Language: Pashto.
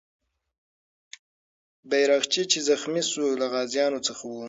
بیرغچی چې زخمي سو، له غازیانو څخه و.